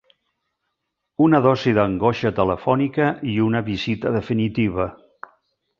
Una dosi d'angoixa telefònica i una visita definitiva.